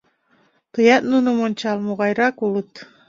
Тыят нуным ончал, могайрак улыт.